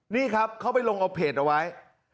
นี่ครับเขาไปลงเอาเพจเอาไว้